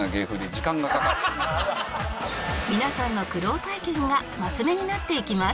皆さんの苦労体験がマス目になっていきます